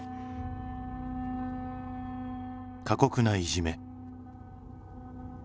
過酷ないじめ。